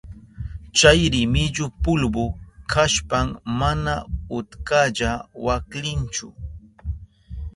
Chay rimillu pulbu kashpan mana utkalla waklinchu.